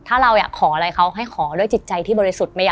ถ้าเราอยากขออะไรเขาให้ขอด้วยจิตใจที่บริสุทธิ์